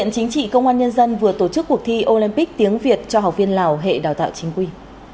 chính trị công an nhân dân vừa tổ chức cuộc thi olympic tiếng việt cho học viên lào hệ đào tạo chính quy